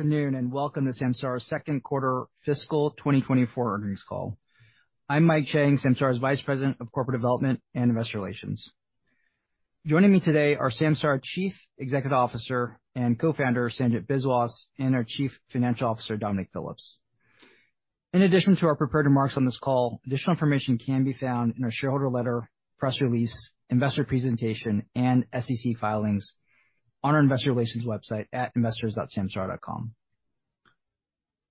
Good afternoon, and welcome to Samsara's second quarter fiscal 2024 earnings call. I'm Mike Chang, Samsara's Vice President of Corporate Development and Investor Relations. Joining me today are Samsara's Chief Executive Officer and Co-founder, Sanjit Biswas, and our Chief Financial Officer, Dominic Phillips. In addition to our prepared remarks on this call, additional information can be found in our shareholder letter, press release, investor presentation, and SEC filings on our investor relations website at investors.samsara.com.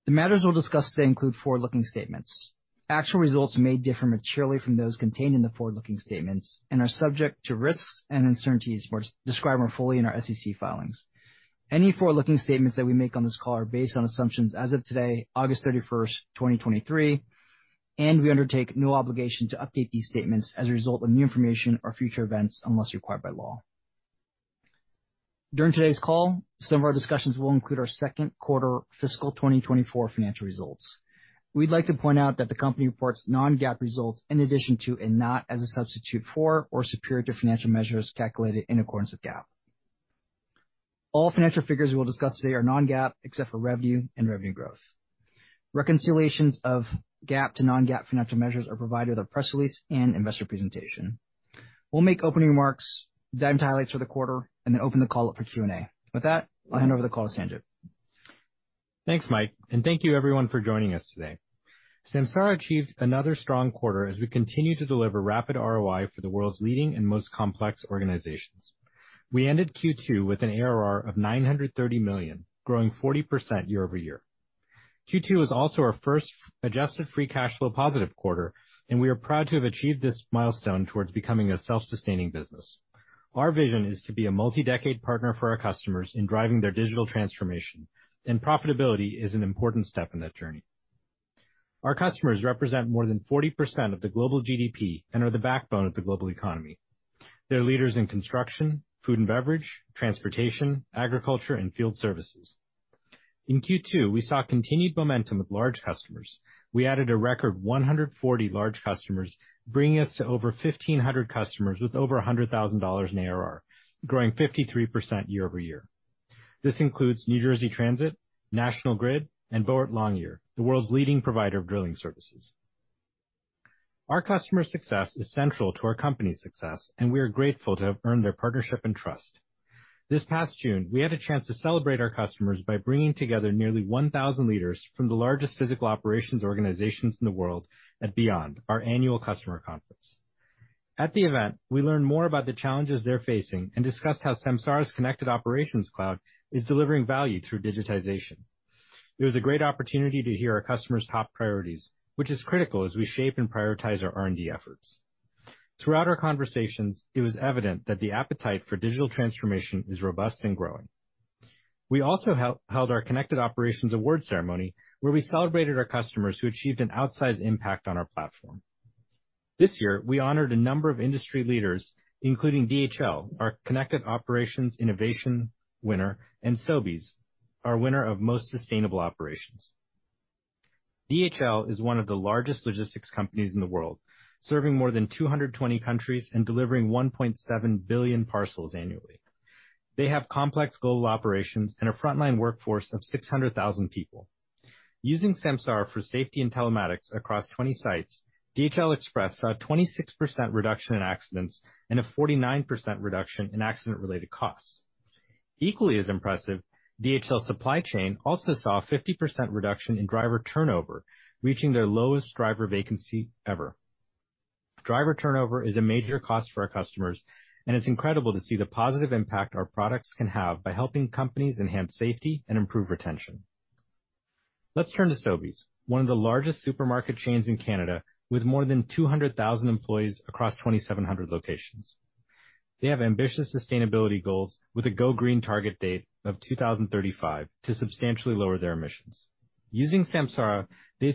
The matters we'll discuss today include forward-looking statements. Actual results may differ materially from those contained in the forward-looking statements and are subject to risks and uncertainties, which described more fully in our SEC filings. Any forward-looking statements that we make on this call are based on assumptions as of today, August 31, 2023, and we undertake no obligation to update these statements as a result of new information or future events, unless required by law. During today's call, some of our discussions will include our second quarter fiscal 2024 financial results. We'd like to point out that the company reports non-GAAP results in addition to, and not as a substitute for, or superior to financial measures calculated in accordance with GAAP. All financial figures we'll discuss today are non-GAAP, except for revenue and revenue growth. Reconciliations of GAAP to non-GAAP financial measures are provided with our press release and investor presentation. We'll make opening remarks, dive into highlights for the quarter, and then open the call up for Q&A. With that, I'll hand over the call to Sanjit. Thanks, Mike, and thank you everyone for joining us today. Samsara achieved another strong quarter as we continue to deliver rapid ROI for the world's leading and most complex organizations. We ended Q2 with an ARR of $930 million, growing 40% year-over-year. Q2 is also our first adjusted free cash flow positive quarter, and we are proud to have achieved this milestone towards becoming a self-sustaining business. Our vision is to be a multi-decade partner for our customers in driving their digital transformation, and profitability is an important step in that journey. Our customers represent more than 40% of the global GDP and are the backbone of the global economy. They're leaders in construction, food and beverage, transportation, agriculture, and field services. In Q2, we saw continued momentum with large customers. We added a record 140 large customers, bringing us to over 1,500 customers with over $100,000 in ARR, growing 53% year-over-year. This includes New Jersey Transit, National Grid, and Boart Longyear, the world's leading provider of drilling services. Our customer success is central to our company's success, and we are grateful to have earned their partnership and trust. This past June, we had a chance to celebrate our customers by bringing together nearly 1,000 leaders from the largest physical operations organizations in the world at Beyond, our annual customer conference. At the event, we learned more about the challenges they're facing and discussed how Samsara's Connected Operations Cloud is delivering value through digitization. It was a great opportunity to hear our customers' top priorities, which is critical as we shape and prioritize our R&D efforts. Throughout our conversations, it was evident that the appetite for digital transformation is robust and growing. We also held our Connected Operations award ceremony, where we celebrated our customers who achieved an outsized impact on our platform. This year, we honored a number of industry leaders, including DHL, our Connected Operations Innovation winner, and Sobeys, our winner of Most Sustainable Operations. DHL is one of the largest logistics companies in the world, serving more than 220 countries and delivering 1.7 billion parcels annually. They have complex global operations and a frontline workforce of 600,000 people. Using Samsara for safety and telematics across 20 sites, DHL Express saw a 26% reduction in accidents and a 49% reduction in accident-related costs. Equally as impressive, DHL Supply Chain also saw a 50% reduction in driver turnover, reaching their lowest driver vacancy ever. Driver turnover is a major cost for our customers, and it's incredible to see the positive impact our products can have by helping companies enhance safety and improve retention. Let's turn to Sobeys, one of the largest supermarket chains in Canada, with more than 200,000 employees across 2,700 locations. They have ambitious sustainability goals with a go green target date of 2035 to substantially lower their emissions. Using Samsara, they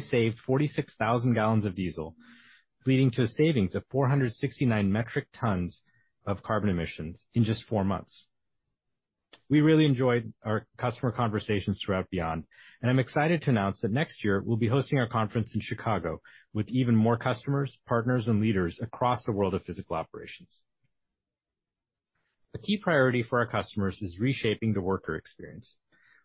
saved 46,000 gallons of diesel, leading to a savings of 469 metric tons of carbon emissions in just four months. We really enjoyed our customer conversations throughout Beyond, and I'm excited to announce that next year we'll be hosting our conference in Chicago with even more customers, partners, and leaders across the world of physical operations. A key priority for our customers is reshaping the worker experience.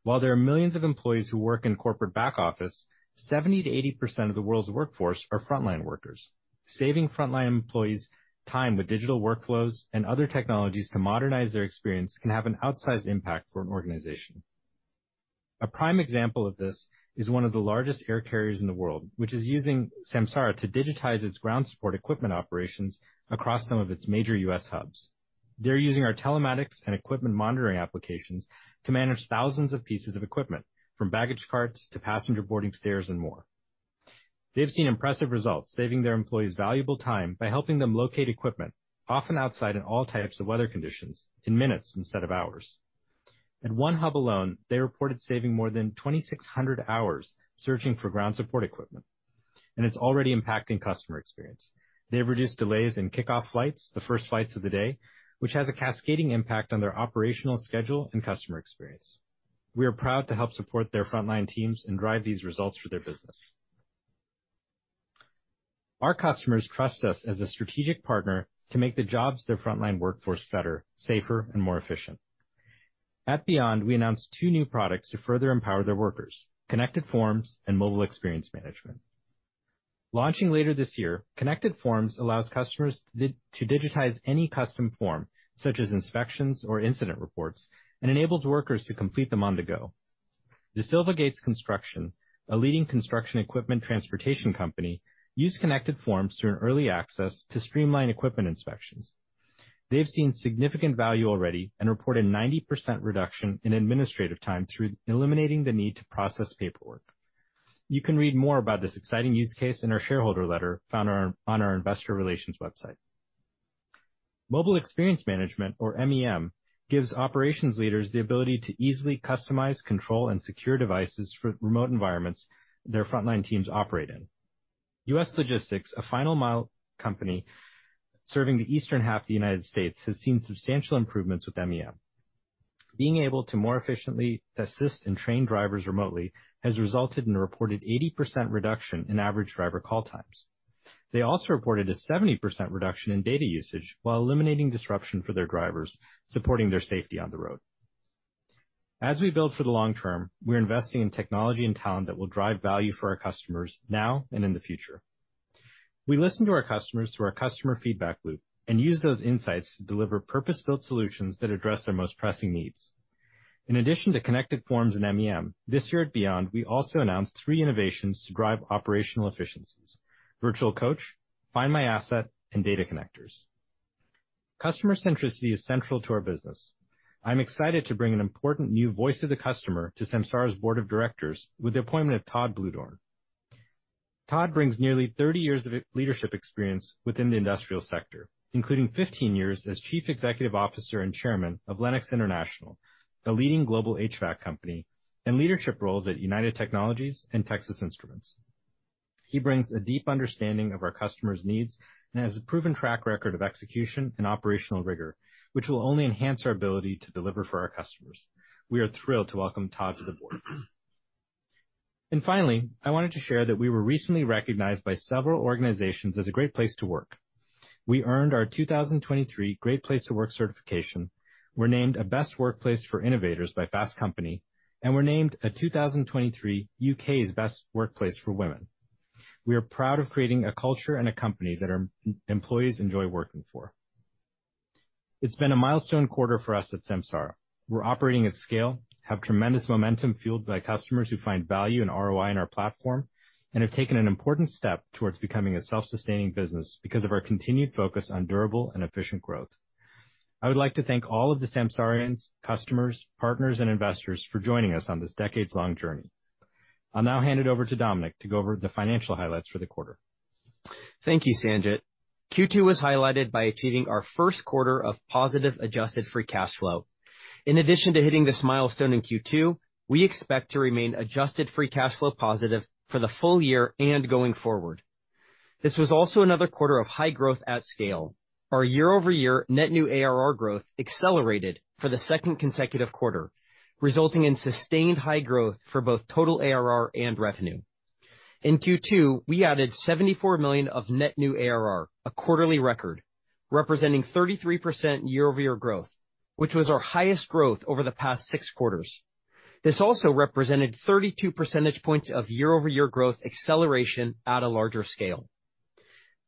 While there are millions of employees who work in corporate back office, 70%-80% of the world's workforce are frontline workers. Saving frontline employees time with digital workflows and other technologies to modernize their experience can have an outsized impact for an organization. A prime example of this is one of the largest air carriers in the world, which is using Samsara to digitize its ground support equipment operations across some of its major U.S. hubs. They're using our telematics and equipment monitoring applications to manage thousands of pieces of equipment, from baggage carts to passenger boarding stairs and more. They've seen impressive results, saving their employees valuable time by helping them locate equipment, often outside in all types of weather conditions, in minutes instead of hours. At one hub alone, they reported saving more than 2,600 hours searching for ground support equipment, and it's already impacting customer experience. They've reduced delays in kickoff flights, the first flights of the day, which has a cascading impact on their operational schedule and customer experience. We are proud to help support their frontline teams and drive these results for their business.... Our customers trust us as a strategic partner to make the jobs of their frontline workforce better, safer, and more efficient. At Beyond, we announced two new products to further empower their workers, Connected Forms and Mobile Experience Management. Launching later this year, Connected Forms allows customers to digitize any custom form, such as inspections or incident reports, and enables workers to complete them on the go. DeSilva Gates Construction, a leading construction equipment transportation company, used Connected Forms through an early access to streamline equipment inspections. They've seen significant value already and reported 90% reduction in administrative time through eliminating the need to process paperwork. You can read more about this exciting use case in our shareholder letter, found on our investor relations website. Mobile Experience Management, or MEM, gives operations leaders the ability to easily customize, control, and secure devices for remote environments their frontline teams operate in. U.S. Logistics, a final mile company serving the eastern half of the United States, has seen substantial improvements with MEM. Being able to more efficiently assist and train drivers remotely has resulted in a reported 80% reduction in average driver call times. They also reported a 70% reduction in data usage while eliminating disruption for their drivers, supporting their safety on the road. As we build for the long term, we're investing in technology and talent that will drive value for our customers now and in the future. We listen to our customers through our customer feedback loop and use those insights to deliver purpose-built solutions that address their most pressing needs. In addition to Connected Forms and MEM, this year at Beyond, we also announced three innovations to drive operational efficiencies, Virtual Coach, Find My Asset, and Data Connectors. Customer centricity is central to our business. I'm excited to bring an important new voice of the customer to Samsara's board of directors with the appointment of Todd Bluedorn. Todd brings nearly 30 years of leadership experience within the industrial sector, including 15 years as Chief Executive Officer and Chairman of Lennox International, a leading global HVAC company, and leadership roles at United Technologies and Texas Instruments. He brings a deep understanding of our customers' needs and has a proven track record of execution and operational rigor, which will only enhance our ability to deliver for our customers. We are thrilled to welcome Todd to the board. Finally, I wanted to share that we were recently recognized by several organizations as a great place to work. We earned our 2023 Great Place to Work certification, we're named a Best Workplace for Innovators by Fast Company, and we're named a 2023 U.K.'s Best Workplace for Women. We are proud of creating a culture and a company that our employees enjoy working for. It's been a milestone quarter for us at Samsara. We're operating at scale, have tremendous momentum fueled by customers who find value and ROI in our platform, and have taken an important step towards becoming a self-sustaining business because of our continued focus on durable and efficient growth. I would like to thank all of the Samsarians, customers, partners, and investors for joining us on this decades-long journey. I'll now hand it over to Dominic to go over the financial highlights for the quarter. Thank you, Sanjit. Q2 was highlighted by achieving our first quarter of positive adjusted free cash flow. In addition to hitting this milestone in Q2, we expect to remain adjusted free cash flow positive for the full year and going forward. This was also another quarter of high growth at scale. Our year-over-year net new ARR growth accelerated for the second consecutive quarter, resulting in sustained high growth for both total ARR and revenue. In Q2, we added $74 million of net new ARR, a quarterly record, representing 33% year-over-year growth, which was our highest growth over the past six quarters. This also represented 32 percentage points of year-over-year growth acceleration at a larger scale.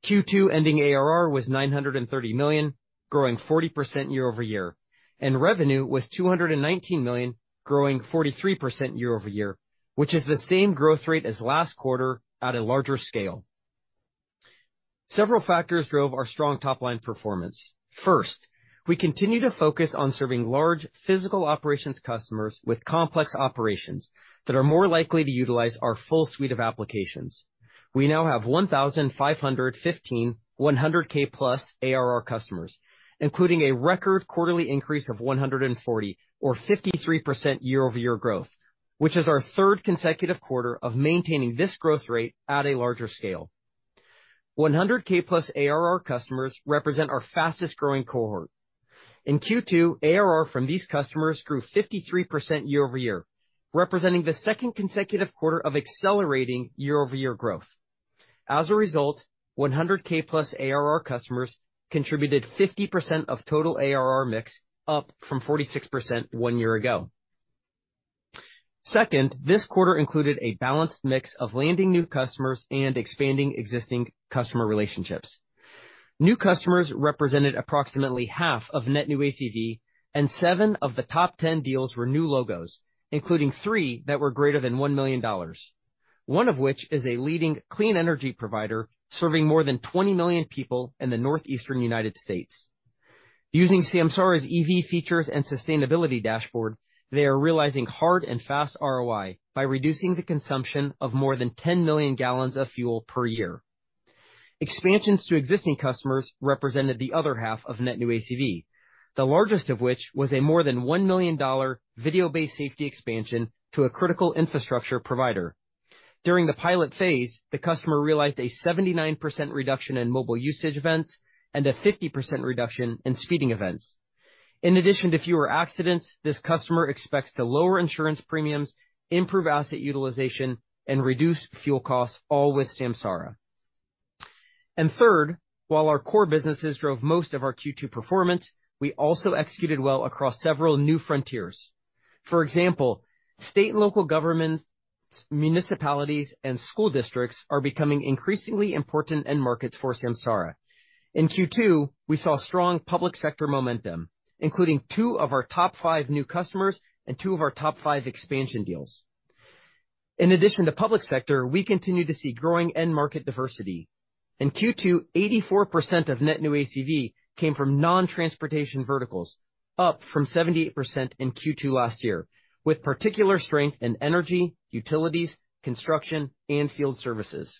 Q2 ending ARR was $930 million, growing 40% year-over-year, and revenue was $219 million, growing 43% year-over-year, which is the same growth rate as last quarter at a larger scale. Several factors drove our strong top-line performance. First, we continue to focus on serving large physical operations customers with complex operations that are more likely to utilize our full suite of applications. We now have 1,515 100,000+ ARR customers, including a record quarterly increase of 140, or 53% year-over-year growth, which is our third consecutive quarter of maintaining this growth rate at a larger scale. 100,000+ ARR customers represent our fastest-growing cohort. In Q2, ARR from these customers grew 53% year-over-year, representing the second consecutive quarter of accelerating year-over-year growth. As a result, 100,000+ ARR customers contributed 50% of total ARR mix, up from 46% 1 year ago. Second, this quarter included a balanced mix of landing new customers and expanding existing customer relationships. New customers represented approximately half of net new ACV, and seven of the top 10 deals were new logos, including three that were greater than $1 million, one of which is a leading clean energy provider serving more than 20 million people in the Northeastern United States. Using Samsara's EV features and sustainability dashboard, they are realizing hard and fast ROI by reducing the consumption of more than 10 million gallons of fuel per year. Expansions to existing customers represented the other half of net new ACV, the largest of which was a more than $1 million video-based safety expansion to a critical infrastructure provider. During the pilot phase, the customer realized a 79% reduction in mobile usage events and a 50% reduction in speeding events. In addition to fewer accidents, this customer expects to lower insurance premiums, improve asset utilization, and reduce fuel costs, all with Samsara. And third, while our core businesses drove most of our Q2 performance, we also executed well across several new frontiers. For example, state and local governments, municipalities, and school districts are becoming increasingly important end markets for Samsara. In Q2, we saw strong public sector momentum, including two of our top five new customers and two of our top five expansion deals. In addition to public sector, we continue to see growing end market diversity. In Q2, 84% of net new ACV came from non-transportation verticals, up from 78% in Q2 last year, with particular strength in energy, utilities, construction, and field services.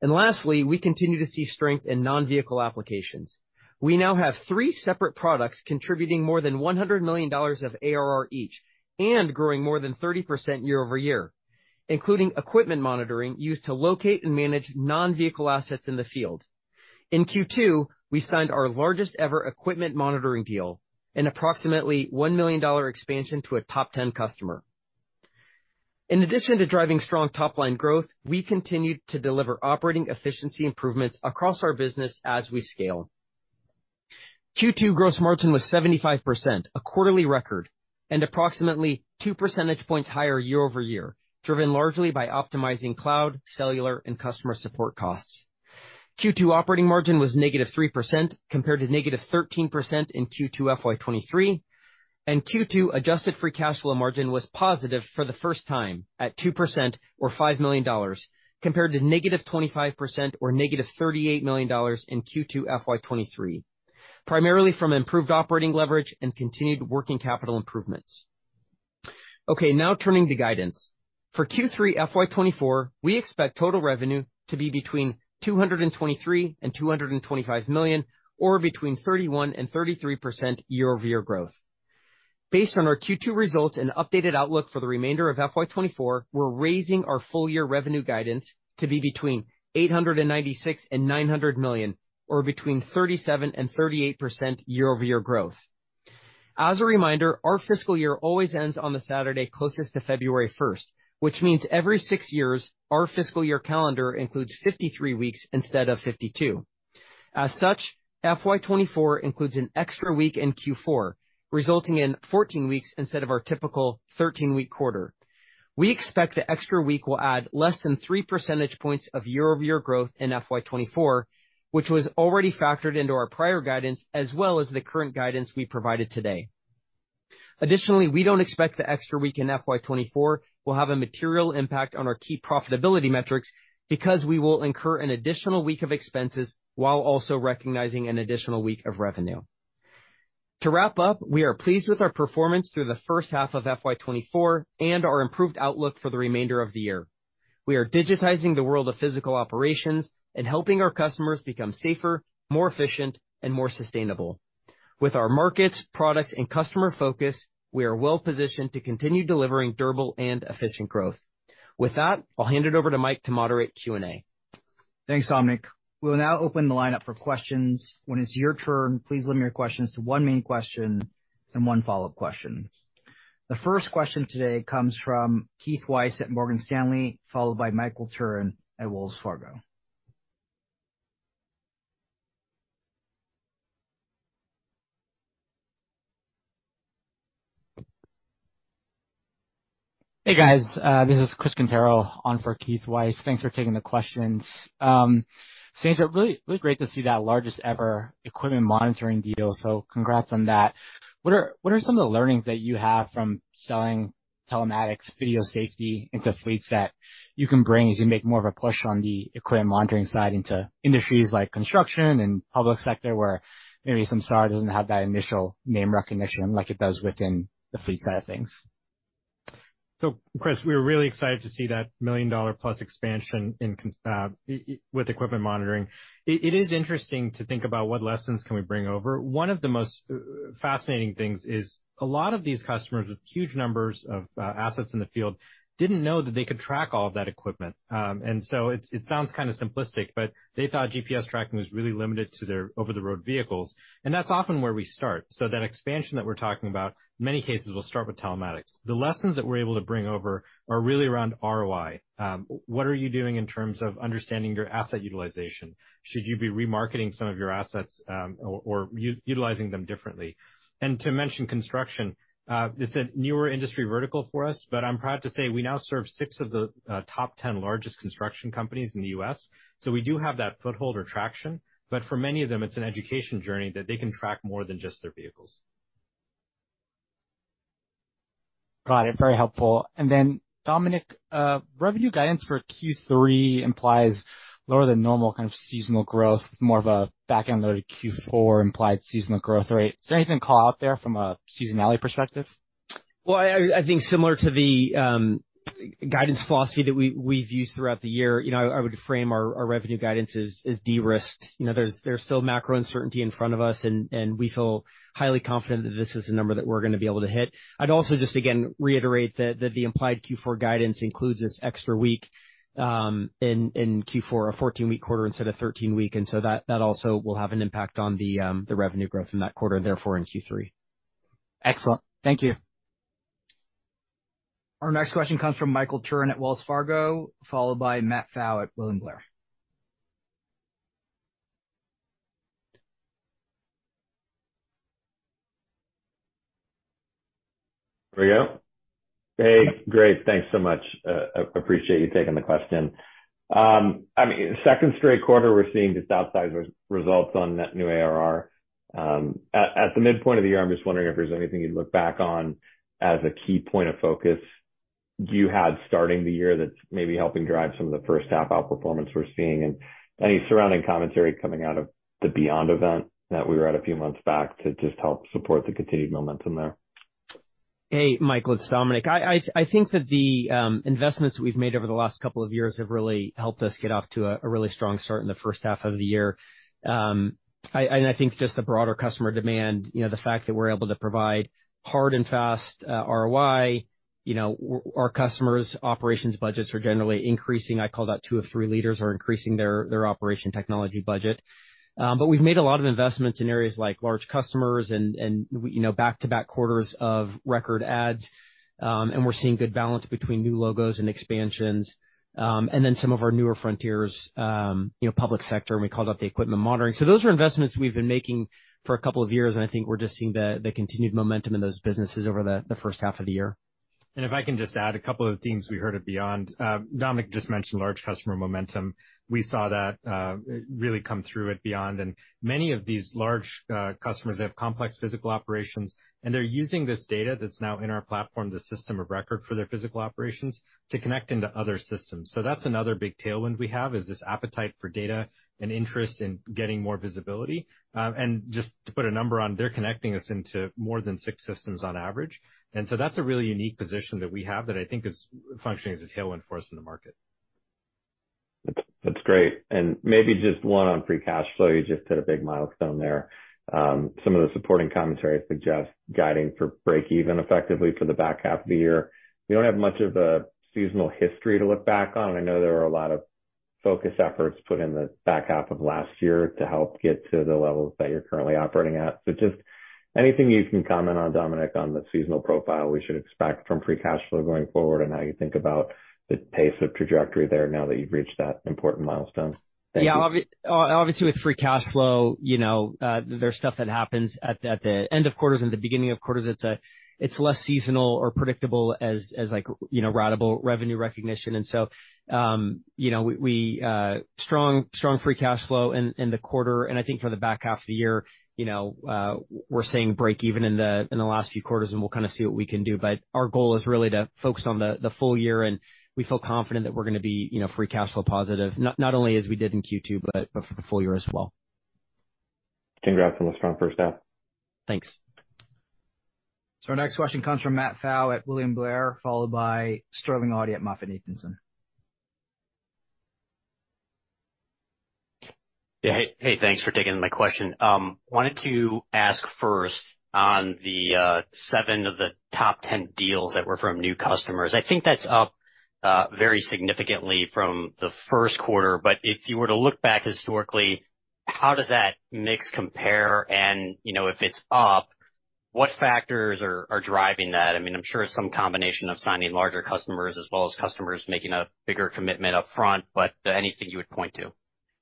We continue to see strength in non-vehicle applications. We now have three separate products contributing more than $100 million of ARR each and growing more than 30% year-over-year, including equipment monitoring, used to locate and manage non-vehicle assets in the field. In Q2, we signed our largest-ever equipment monitoring deal, an approximately $1 million expansion to a top ten customer. In addition to driving strong top-line growth, we continued to deliver operating efficiency improvements across our business as we scale. Q2 gross margin was 75%, a quarterly record, and approximately two percentage points higher year-over-year, driven largely by optimizing cloud, cellular, and customer support costs. Q2 operating margin was -3% compared to -13% in Q2 FY 2023, and Q2 adjusted free cash flow margin was positive for the first time, at 2% or $5 million, compared to -25% or -$38 million in Q2 FY 2023, primarily from improved operating leverage and continued working capital improvements. Okay, now turning to guidance. For Q3 FY 2024, we expect total revenue to be between $223 million and $225 million, or between 31%-33% year-over-year growth. Based on our Q2 results and updated outlook for the remainder of FY 2024, we're raising our full year revenue guidance to be between $896 million and $900 million, or between 37%-38% year-over-year growth. As a reminder, our fiscal year always ends on the Saturday closest to February first, which means every six years, our fiscal year calendar includes 53 weeks instead of 52. As such, FY 2024 includes an extra week in Q4, resulting in 14 weeks instead of our typical 13-week quarter. We expect the extra week will add less than 3 percentage points of year-over-year growth in FY 2024, which was already factored into our prior guidance, as well as the current guidance we provided today. Additionally, we don't expect the extra week in FY 2024 will have a material impact on our key profitability metrics, because we will incur an additional week of expenses while also recognizing an additional week of revenue. To wrap up, we are pleased with our performance through the first half of FY 2024 and our improved outlook for the remainder of the year. We are digitizing the world of physical operations and helping our customers become safer, more efficient, and more sustainable. With our markets, products, and customer focus, we are well positioned to continue delivering durable and efficient growth. With that, I'll hand it over to Mike to moderate Q&A. Thanks, Dominic. We'll now open the lineup for questions. When it's your turn, please limit your questions to one main question and one follow-up question. The first question today comes from Keith Weiss at Morgan Stanley, followed by Michael Turrin at Wells Fargo. Hey, guys, this is Chris Quintero on for Keith Weiss. Thanks for taking the questions. Sanjit, really, really great to see that largest ever equipment monitoring deal. So congrats on that. What are, what are some of the learnings that you have from selling telematics, video safety into fleets that you can bring as you make more of a push on the equipment monitoring side into industries like construction and public sector, where maybe Samsara doesn't have that initial name recognition like it does within the fleet side of things? So, Chris, we are really excited to see that million-dollar plus expansion in connection with equipment monitoring. It is interesting to think about what lessons can we bring over? One of the most fascinating things is a lot of these customers with huge numbers of assets in the field didn't know that they could track all of that equipment. And so it sounds kind of simplistic, but they thought GPS tracking was really limited to their over-the-road vehicles, and that's often where we start. So that expansion that we're talking about, many cases will start with telematics. The lessons that we're able to bring over are really around ROI. What are you doing in terms of understanding your asset utilization? Should you be remarketing some of your assets, or utilizing them differently? To mention construction, it's a newer industry vertical for us, but I'm proud to say we now serve six of the top 10 largest construction companies in the U.S., so we do have that foothold or traction. But for many of them, it's an education journey that they can track more than just their vehicles. Got it. Very helpful. And then, Dominic, revenue guidance for Q3 implies lower than normal kind of seasonal growth, more of a back-end loaded Q4 implied seasonal growth rate. Is there anything to call out there from a seasonality perspective? Well, I think similar to the guidance philosophy that we've used throughout the year, you know, I would frame our revenue guidance as de-risked. You know, there's still macro uncertainty in front of us, and we feel highly confident that this is the number that we're gonna be able to hit. I'd also just again reiterate that the implied Q4 guidance includes this extra week in Q4, a 14-week quarter instead of 13-week. And so that also will have an impact on the revenue growth in that quarter and therefore in Q3. Excellent. Thank you. Our next question comes from Michael Turrin at Wells Fargo, followed by Matt Pfau at William Blair. There we go. Hey, great. Thanks so much. Appreciate you taking the question. I mean, second straight quarter, we're seeing just outsized results on net new ARR. At the midpoint of the year, I'm just wondering if there's anything you'd look back on as a key point of focus you had starting the year that's maybe helping drive some of the first half outperformance we're seeing, and any surrounding commentary coming out of the Beyond event that we were at a few months back to just help support the continued momentum there? Hey, Michael, it's Dominic. I think that the investments we've made over the last couple of years have really helped us get off to a really strong start in the first half of the year. I think just the broader customer demand, you know, the fact that we're able to provide hard and fast ROI, you know, our customers' operations budgets are generally increasing. I called out two of three leaders are increasing their operation technology budget. But we've made a lot of investments in areas like large customers and, you know, back-to-back quarters of record ads, and we're seeing good balance between new logos and expansions. And then some of our newer frontiers, you know, public sector, and we called out the equipment monitoring. So those are investments we've been making for a couple of years, and I think we're just seeing the continued momentum in those businesses over the first half of the year. If I can just add a couple of themes we heard at Beyond. Dominic just mentioned large customer momentum. We saw that really come through at Beyond, and many of these large customers, they have complex physical operations, and they're using this data that's now in our platform, the system of record for their physical operations, to connect into other systems. So that's another big tailwind we have, is this appetite for data and interest in getting more visibility. And just to put a number on, they're connecting us into more than six systems on average. And so that's a really unique position that we have that I think is functioning as a tailwind for us in the market. That's, that's great. Maybe just one on free cash flow. You just hit a big milestone there. Some of the supporting commentary suggests guiding for break even effectively for the back half of the year. We don't have much of a seasonal history to look back on. I know there were a lot of focused efforts put in the back half of last year to help get to the levels that you're currently operating at. Just anything you can comment on, Dominic, on the seasonal profile we should expect from free cash flow going forward, and how you think about the pace of trajectory there now that you've reached that important milestone? Yeah. Obviously, with Free Cash Flow, you know, there's stuff that happens at the end of quarters and the beginning of quarters. It's less seasonal or predictable as like, you know, ratable revenue recognition. And so, you know, strong, strong free cash flow in the quarter, and I think for the back half of the year, you know, we're seeing break even in the last few quarters, and we'll kind of see what we can do. But our goal is really to focus on the full year, and we feel confident that we're going to be, you know, free cash flow positive, not only as we did in Q2, but for the full year as well. Congrats on a strong first half. Thanks. Our next question comes from Matt Pfau at William Blair, followed by Sterling Auty at MoffettNathanson. Yeah. Hey, thanks for taking my question. Wanted to ask first on the seven of the top 10 deals that were from new customers. I think that's up very significantly from the first quarter. But if you were to look back historically, how does that mix compare? And, you know, if it's up, what factors are driving that? I mean, I'm sure it's some combination of signing larger customers as well as customers making a bigger commitment upfront, but anything you would point to?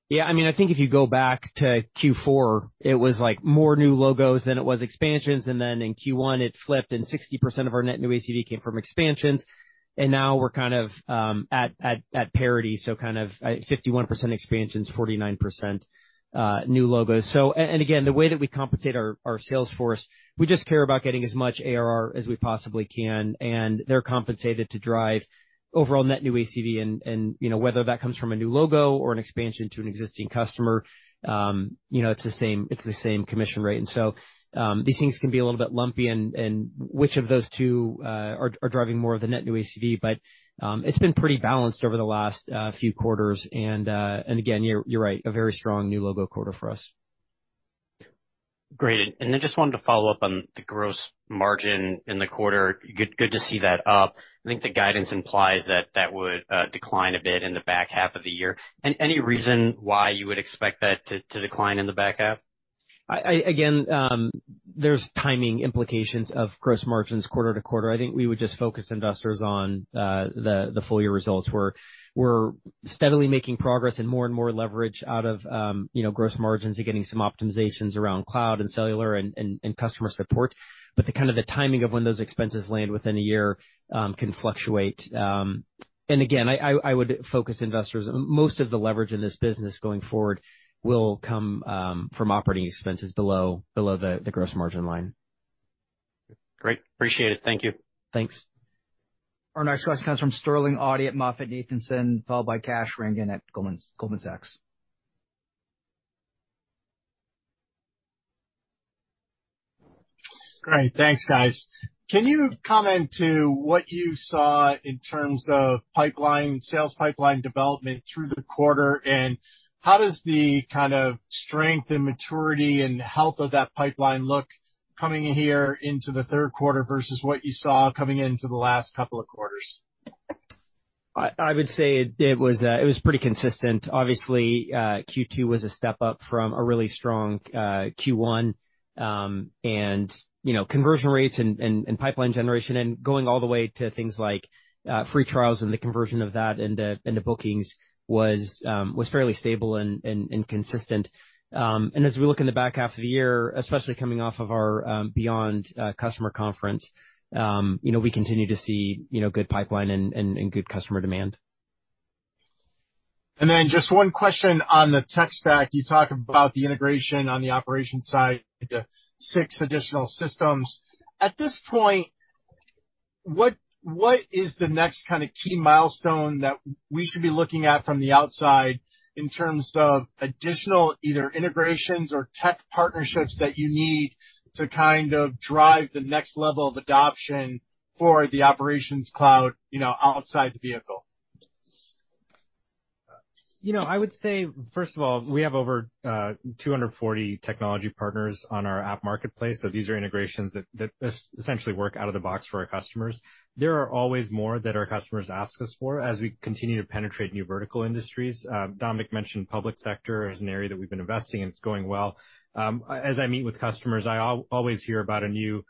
Yeah, I mean, I think if you go back to Q4, it was, like, more new logos than it was expansions, and then in Q1, it flipped, and 60% of our net new ACV came from expansions. And now we're kind of at parity, so kind of 51% expansions, 49% new logos. So and again, the way that we compensate our sales force, we just care about getting as much ARR as we possibly can, and they're compensated to drive overall net new ACV. And you know, whether that comes from a new logo or an expansion to an existing customer, you know, it's the same, it's the same commission rate. And so these things can be a little bit lumpy and which of those two are driving more of the net new ACV? But, it's been pretty balanced over the last few quarters. And again, you're right, a very strong new logo quarter for us. Great. And then just wanted to follow up on the gross margin in the quarter. Good, good to see that up. I think the guidance implies that that would decline a bit in the back half of the year. And any reason why you would expect that to decline in the back half? Again, there's timing implications of gross margins quarter to quarter. I think we would just focus investors on the full year results. We're steadily making progress and more and more leverage out of you know, gross margins and getting some optimizations around cloud and cellular and customer support. But the kind of the timing of when those expenses land within a year can fluctuate. And again, I would focus investors, most of the leverage in this business going forward will come from operating expenses below the gross margin line. Great. Appreciate it. Thank you. Thanks. Our next question comes from Sterling Auty at MoffettNathanson, followed by Kash Rangan at Goldman, Goldman Sachs. Great. Thanks, guys. Can you comment to what you saw in terms of pipeline, sales pipeline development through the quarter? And how does the kind of strength and maturity and health of that pipeline look coming in here into the third quarter versus what you saw coming into the last couple of quarters? I would say it was pretty consistent. Obviously, Q2 was a step up from a really strong Q1. And, you know, conversion rates and pipeline generation and going all the way to things like free trials and the conversion of that into bookings was fairly stable and consistent. And as we look in the back half of the year, especially coming off of our Beyond customer conference, you know, we continue to see, you know, good pipeline and good customer demand. And then just one question on the tech stack. You talk about the integration on the operations side into six additional systems. At this point, what is the next kind of key milestone that we should be looking at from the outside in terms of additional either integrations or tech partnerships that you need to kind of drive the next level of adoption for the operations cloud, you know, outside the vehicle? You know, I would say, first of all, we have over 240 technology partners on our app marketplace. So these are integrations that essentially work out of the box for our customers. There are always more that our customers ask us for as we continue to penetrate new vertical industries. Dominic mentioned public sector as an area that we've been investing, and it's going well. As I meet with customers, I always hear about a new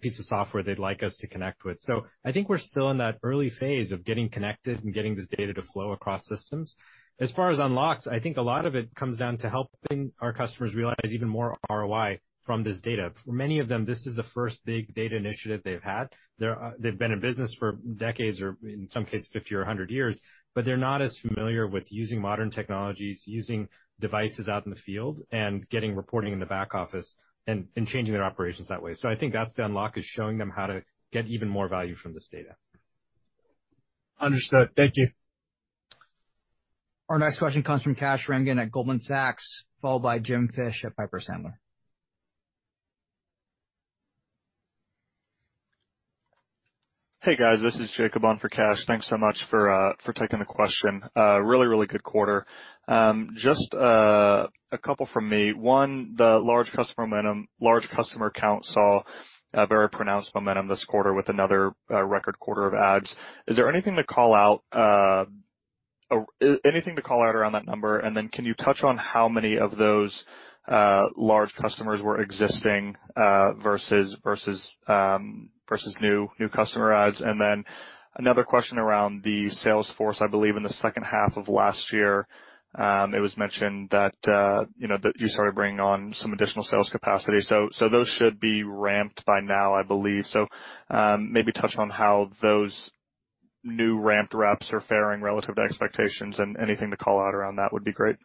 piece of software they'd like us to connect with. So I think we're still in that early phase of getting connected and getting this data to flow across systems. As far as unlocks, I think a lot of it comes down to helping our customers realize even more ROI from this data. For many of them, this is the first big data initiative they've had. They're, they've been in business for decades or, in some cases, 50 or 100 years, but they're not as familiar with using modern technologies, using devices out in the field and getting reporting in the back office and changing their operations that way. So I think that's the unlock, is showing them how to get even more value from this data. Understood. Thank you. Our next question comes from Kash Rangan at Goldman Sachs, followed by Jim Fish at Piper Sandler. Hey, guys, this is Jacob on for Kash. Thanks so much for taking the question. Really, really good quarter. Just a couple from me. One, the large customer momentum, large customer count saw a very pronounced momentum this quarter with another record quarter of adds. Is there anything to call out or anything to call out around that number? And then can you touch on how many of those large customers were existing versus new customer adds? And then another question around the sales force. I believe in the second half of last year, it was mentioned that you know that you started bringing on some additional sales capacity. So those should be ramped by now, I believe. Maybe touch on how those new ramped reps are faring relative to expectations, and anything to call out around that would be great.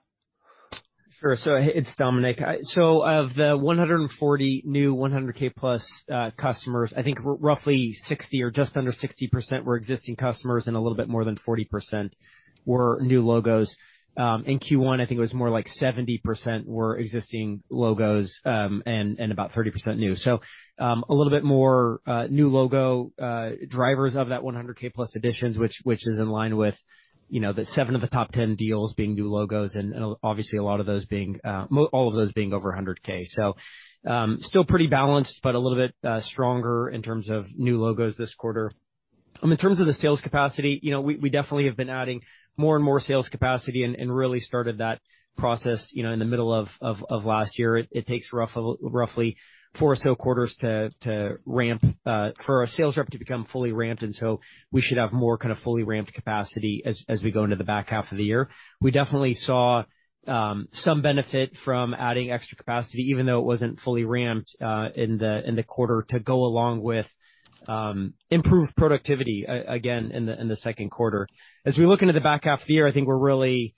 Sure. So it's Dominic. So of the 140 new 100,000+ customers, I think roughly 60 or just under 60% were existing customers, and a little bit more than 40% were new logos. In Q1, I think it was more like 70% were existing logos, and about 30% new. So a little bit more new logo drivers of that 100,000+ additions, which is in line with, you know, the seven of the top 10 deals being new logos, and obviously a lot of those being all of those being over 100,000. So still pretty balanced, but a little bit stronger in terms of new logos this quarter. In terms of the sales capacity, you know, we definitely have been adding more and more sales capacity and really started that process, you know, in the middle of last year. It takes roughly four sales quarters to ramp for our sales rep to become fully ramped, and so we should have more kind of fully ramped capacity as we go into the back half of the year. We definitely saw some benefit from adding extra capacity, even though it wasn't fully ramped in the quarter, to go along with improved productivity again in the second quarter. As we look into the back half of the year, I think we're really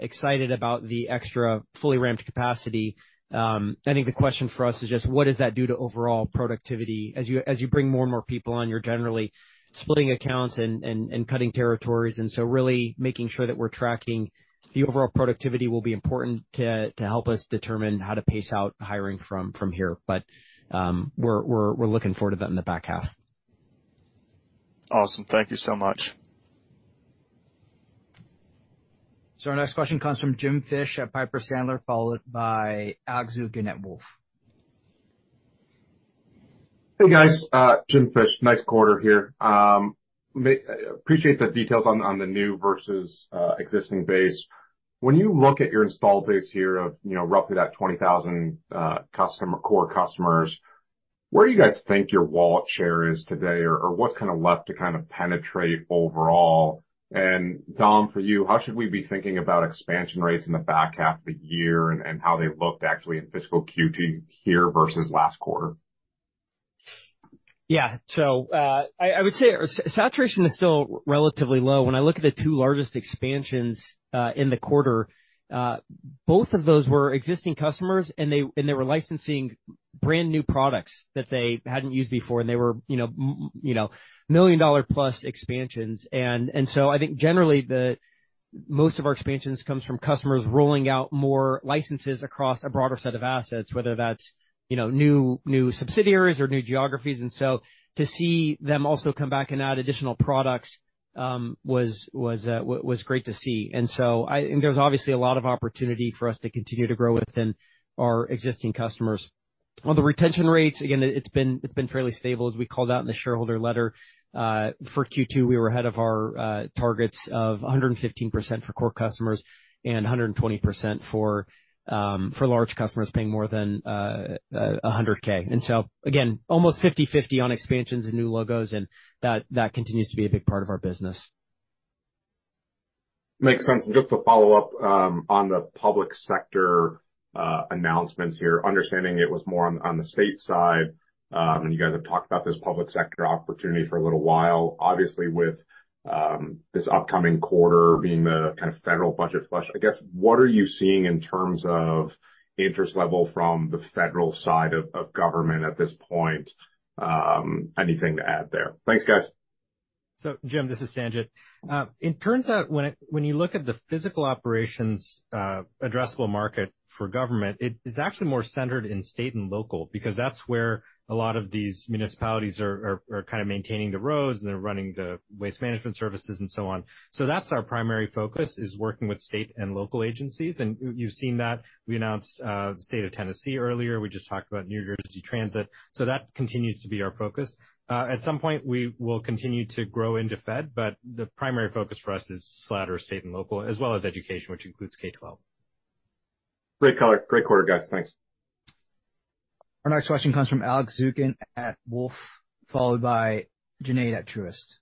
excited about the extra fully ramped capacity. I think the question for us is just what does that do to overall productivity? As you bring more and more people on, you're generally splitting accounts and cutting territories. And so really making sure that we're tracking the overall productivity will be important to help us determine how to pace out hiring from here. But we're looking forward to that in the back half. Awesome. Thank you so much. Our next question comes from Jim Fish at Piper Sandler, followed by Alex Zukin at Wolfe. Hey, guys, Jim Fish. Nice quarter here. Appreciate the details on the new versus existing base. When you look at your install base here of, you know, roughly that 20,000 core customers, where do you guys think your wallet share is today? Or what's kind of left to kind of penetrate overall? And Dom, for you, how should we be thinking about expansion rates in the back half of the year and how they looked actually in fiscal Q2 here versus last quarter? Yeah. So, I would say saturation is still relatively low. When I look at the two largest expansions in the quarter, both of those were existing customers, and they were licensing brand-new products that they hadn't used before, and they were, you know, million-dollar plus expansions. And so I think generally, the most of our expansions comes from customers rolling out more licenses across a broader set of assets, whether that's, you know, new subsidiaries or new geographies. And so to see them also come back and add additional products was great to see. And so there's obviously a lot of opportunity for us to continue to grow within our existing customers. Well, the retention rates, again, it's been fairly stable. As we called out in the shareholder letter, for Q2, we were ahead of our targets of 115% for core customers and 120% for large customers paying more than $100,0000. And so again, almost 50/50 on expansions and new logos, and that, that continues to be a big part of our business. Makes sense. And just to follow up on the public sector announcements here, understanding it was more on the state side, and you guys have talked about this public sector opportunity for a little while. Obviously, with this upcoming quarter being the kind of federal budget flush, I guess, what are you seeing in terms of interest level from the federal side of government at this point? Anything to add there? Thanks, guys. So, Jim, this is Sanjit. It turns out when you look at the physical operations addressable market for government, it is actually more centered in state and local, because that's where a lot of these municipalities are kind of maintaining the roads, and they're running the waste management services and so on. So that's our primary focus, is working with state and local agencies, and you've seen that. We announced the state of Tennessee earlier. We just talked about New Jersey Transit, so that continues to be our focus. At some point, we will continue to grow into fed, but the primary focus for us is SLG, state, and local, as well as education, which includes K-12. Great color. Great quarter, guys. Thanks. Our next question comes from Alex Zukin at Wolfe, followed by Junaid at Truist.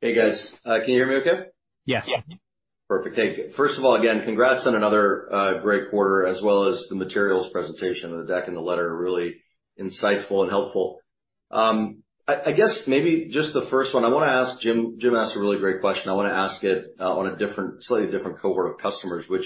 Hey, guys. Can you hear me okay? Yes. Yeah. Perfect. Thank you. First of all, again, congrats on another great quarter, as well as the materials presentation. The deck and the letter are really insightful and helpful. I guess maybe just the first one. I want to ask Jim. Jim asked a really great question. I want to ask it on a different, slightly different cohort of customers, which,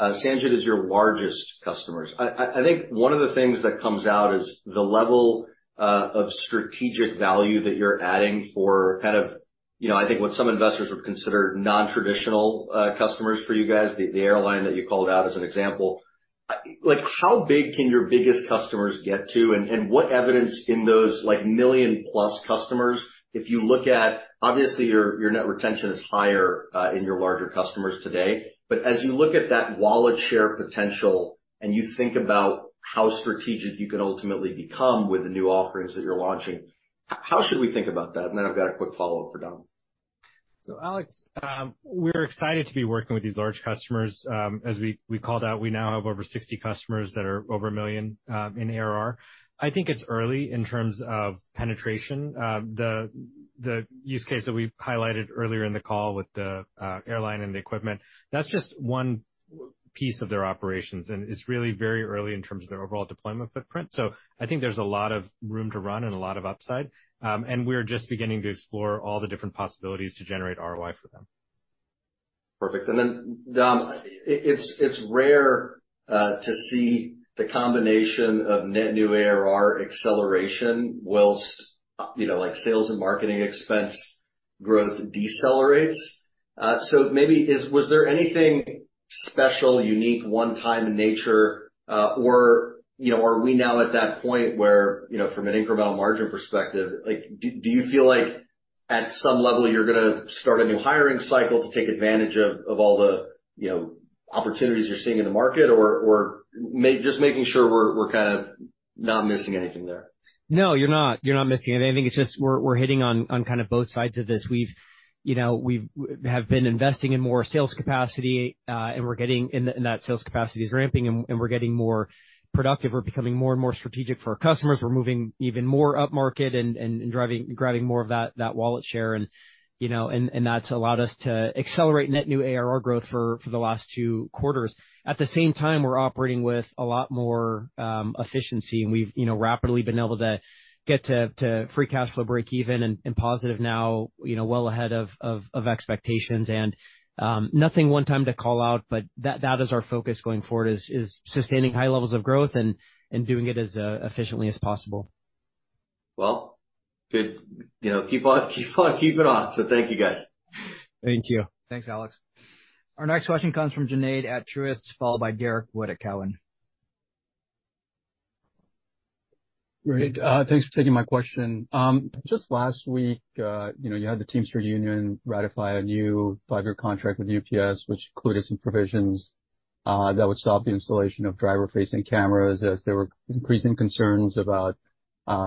Sanjit, is your largest customers. I think one of the things that comes out is the level of strategic value that you're adding for kind of, you know, I think what some investors would consider nontraditional customers for you guys, the airline that you called out as an example. Like, how big can your biggest customers get to? And what evidence in those, like, million-plus customers, if you look at obviously, your net retention is higher in your larger customers today. But as you look at that wallet share potential, and you think about how strategic you can ultimately become with the new offerings that you're launching, how should we think about that? And then I've got a quick follow-up for Dom. So, Alex, we're excited to be working with these large customers. As we called out, we now have over 60 customers that are over $1 million in ARR. I think it's early in terms of penetration. The use case that we highlighted earlier in the call with the airline and the equipment, that's just one piece of their operations, and it's really very early in terms of their overall deployment footprint. So I think there's a lot of room to run and a lot of upside. And we're just beginning to explore all the different possibilities to generate ROI for them. Perfect. And then, Dom, it's rare to see the combination of net new ARR acceleration whilst, you know, like, sales and marketing expense growth decelerates. So maybe, was there anything special, unique, one-time in nature, or, you know, are we now at that point where, you know, from an incremental margin perspective, like, do you feel like at some level you're gonna start a new hiring cycle to take advantage of all the, you know, opportunities you're seeing in the market? Or just making sure we're kind of not missing anything there. No, you're not. You're not missing anything. I think it's just we're hitting on kind of both sides of this. We've, you know, have been investing in more sales capacity, and we're getting that sales capacity ramping and we're getting more productive. We're becoming more and more strategic for our customers. We're moving even more upmarket and driving, grabbing more of that wallet share, and, you know, that's allowed us to accelerate Net New ARR growth for the last two quarters. At the same time, we're operating with a lot more efficiency, and we've, you know, rapidly been able to get to Free Cash Flow break even and positive now, you know, well ahead of expectations. Nothing one-time to call out, but that is our focus going forward: sustaining high levels of growth and doing it as efficiently as possible. Well, good. You know, keep on, keep on, keep it on. So thank you, guys. Thank you. Thanks, Alex. Our next question comes from Junaid at Truist, followed by Derek Wood at Cowen. Great. Thanks for taking my question. Just last week, you know, you had the Teamsters union ratify a new five-year contract with UPS, which included some provisions that would stop the installation of driver-facing cameras as there were increasing concerns about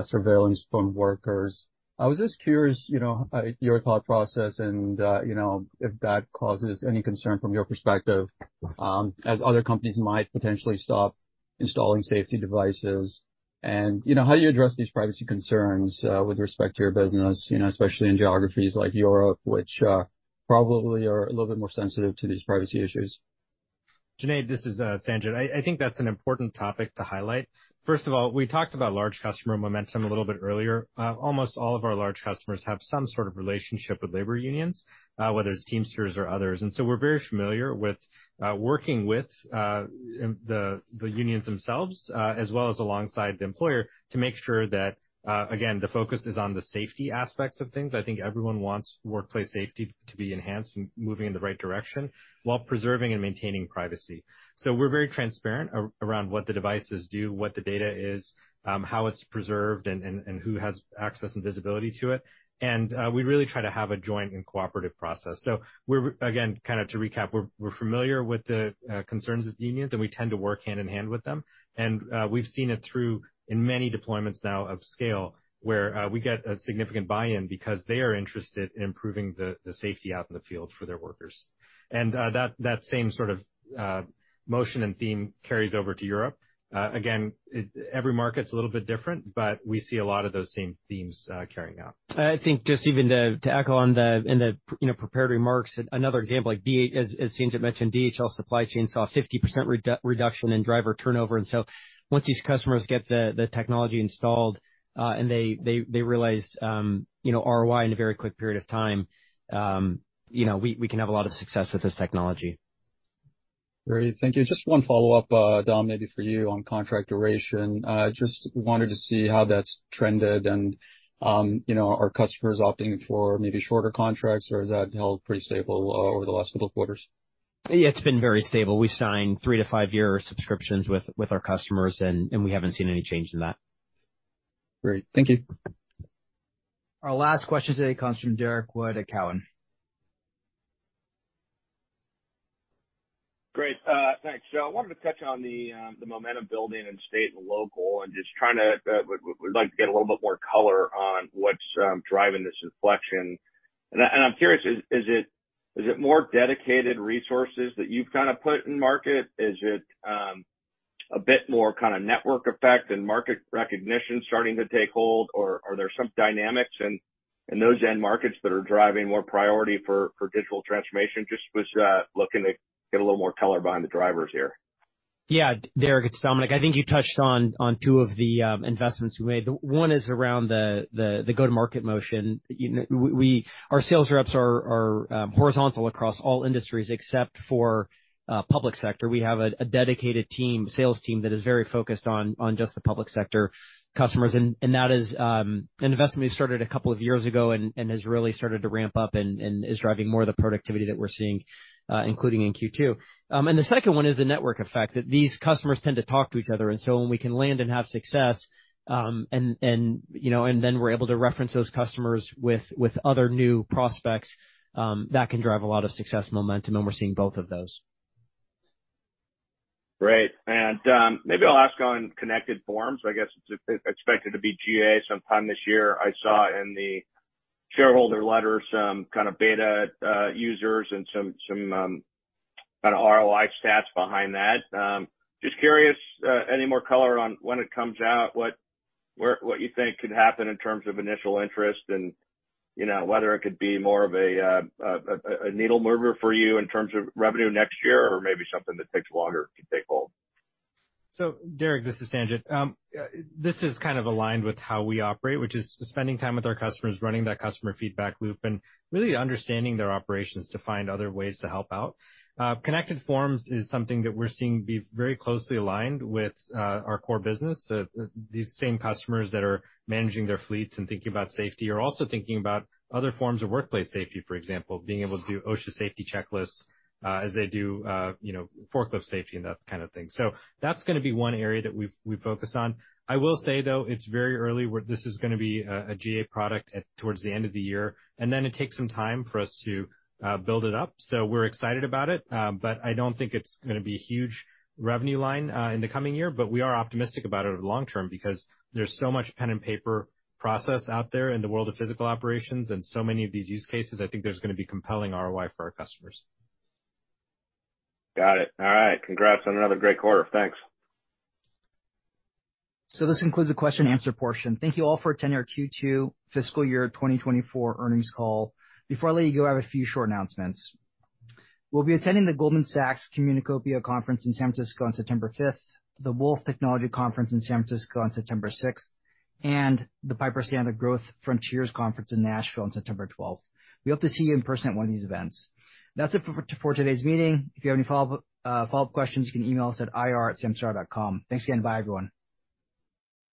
surveillance from workers. I was just curious, you know, your thought process and, you know, if that causes any concern from your perspective, as other companies might potentially stop installing safety devices. And, you know, how do you address these privacy concerns with respect to your business, you know, especially in geographies like Europe, which probably are a little bit more sensitive to these privacy issues? Junaid, this is Sanjit. I think that's an important topic to highlight. First of all, we talked about large customer momentum a little bit earlier. Almost all of our large customers have some sort of relationship with labor unions, whether it's Teamsters or others. And so we're very familiar with working with the unions themselves, as well as alongside the employer, to make sure that, again, the focus is on the safety aspects of things. I think everyone wants workplace safety to be enhanced and moving in the right direction while preserving and maintaining privacy. So we're very transparent around what the devices do, what the data is, how it's preserved, and who has access and visibility to it. And we really try to have a joint and cooperative process. So we're, again, kind of to recap, we're familiar with the concerns of the unions, and we tend to work hand-in-hand with them. We've seen it through in many deployments now of scale, where we get a significant buy-in because they are interested in improving the safety out in the field for their workers. That same sort of motion and theme carries over to Europe. Again, every market's a little bit different, but we see a lot of those same themes carrying out. I think just even to echo on the, you know, prepared remarks, another example, like DHL, as Sanjit mentioned, DHL Supply Chain saw a 50% reduction in driver turnover. And so once these customers get the technology installed, and they realize, you know, ROI in a very quick period of time, you know, we can have a lot of success with this technology. Great, thank you. Just one follow-up, Dom, maybe for you on contract duration. Just wanted to see how that's trended and, you know, are customers opting for maybe shorter contracts, or has that held pretty stable over the last couple of quarters? Yeah, it's been very stable. We sign three to five year subscriptions with our customers, and we haven't seen any change in that. Great. Thank you. Our last question today comes from Derek Wood at Cowen. Great. Thanks. So I wanted to touch on the, the momentum building in state and local, and just trying to, would like to get a little bit more color on what's driving this inflection. And I'm curious, is it more dedicated resources that you've kind of put in market? Is it a bit more kind of network effect and market recognition starting to take hold, or are there some dynamics in those end markets that are driving more priority for digital transformation? Just was looking to get a little more color behind the drivers here. Yeah, Derek, it's Dominic. I think you touched on two of the investments we made. The one is around the go-to-market motion. You know, our sales reps are horizontal across all industries, except for public sector. We have a dedicated team, sales team, that is very focused on just the public sector customers, and that is an investment we started a couple of years ago and has really started to ramp up and is driving more of the productivity that we're seeing, including in Q2. and the second one is the network effect, that these customers tend to talk to each other, and so when we can land and have success, you know, and then we're able to reference those customers with other new prospects, that can drive a lot of success momentum, and we're seeing both of those. Great. And, maybe I'll ask on Connected Forms. I guess it's expected to be GA sometime this year. I saw in the shareholder letter some kind of beta users and some kind of ROI stats behind that. Just curious, any more color on when it comes out, what you think could happen in terms of initial interest, and, you know, whether it could be more of a needle mover for you in terms of revenue next year, or maybe something that takes longer to take hold? So, Derek, this is Sanjit. This is kind of aligned with how we operate, which is spending time with our customers, running that customer feedback loop, and really understanding their operations to find other ways to help out. Connected Forms is something that we're seeing be very closely aligned with our core business. These same customers that are managing their fleets and thinking about safety are also thinking about other forms of workplace safety, for example, being able to do OSHA safety checklists, as they do, you know, forklift safety and that kind of thing. So that's gonna be one area that we've focused on. I will say, though, it's very early. This is gonna be a GA product towards the end of the year, and then it takes some time for us to build it up. So we're excited about it, but I don't think it's gonna be a huge revenue line, in the coming year. But we are optimistic about it long term, because there's so much pen and paper process out there in the world of physical operations and so many of these use cases, I think there's gonna be compelling ROI for our customers. Got it. All right. Congrats on another great quarter. Thanks. So this concludes the question and answer portion. Thank you all for attending our Q2 fiscal year 2024 earnings call. Before I let you go, I have a few short announcements. We'll be attending the Goldman Sachs Communicopia conference in San Francisco on September 5, the Wolfe Technology conference in San Francisco on September 6, and the Piper Sandler Growth Frontiers conference in Nashville on September 12. We hope to see you in person at one of these events. That's it for today's meeting. If you have any follow-up questions, you can email us at ir@samsara.com. Thanks again. Bye, everyone.